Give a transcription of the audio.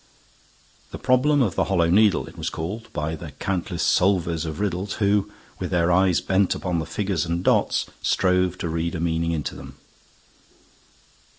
The problem of the Hollow Needle it was called, by the countless solvers of riddles who, with their eyes bent upon the figures and dots, strove to read a meaning into them.